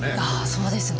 そうですね。